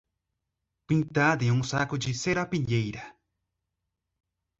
Pintado em um saco de serapilheira